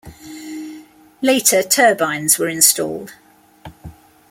Later turbines were installed.